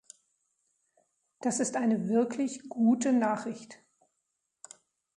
Das ist eine wirklich gute Nachricht.